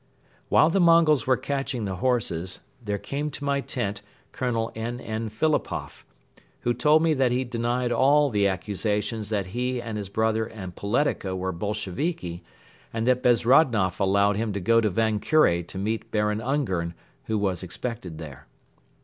While the Mongols were catching the horses, there came to my tent Colonel N. N. Philipoff, who told me that he denied all the accusations that he and his brother and Poletika were Bolsheviki and that Bezrodnoff allowed him to go to Van Kure to meet Baron Ungern, who was expected there.